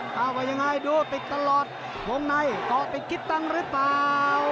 เอ้าวะยังไงดูติดตลอดวงในต่อไปคิดตั้งรึเปล่า